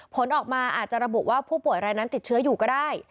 ผลออกมาอาจจะระบุว่าผู้ป่วยรายนั้นติดเชื้ออยู่ก็ได้